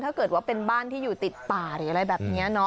ถ้าเกิดว่าเป็นบ้านที่อยู่ติดป่าหรืออะไรแบบนี้เนาะ